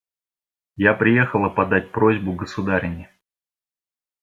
Я приехала подать просьбу государыне.